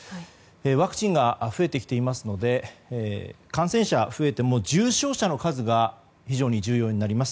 ワクチンが増えてきていますので感染者が増えても重症者の数が非常に重要になります。